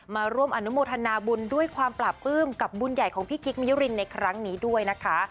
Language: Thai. มาร่วมอนุโมทนาบุญด้วยความปราบปลื้มกับบุญใหญ่ของพี่กิ๊กมิยุรินในครั้งนี้ด้วยนะคะ